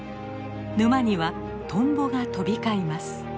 沼にはトンボが飛び交います。